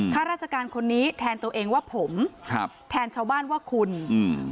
ข้าราชการคนนี้แทนตัวเองว่าผมครับแทนชาวบ้านว่าคุณอืม